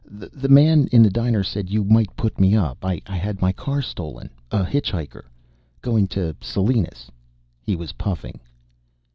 "The man in the diner said you might put me up. I had my car stolen: a hitchhiker; going to Salinas ..." He was puffing.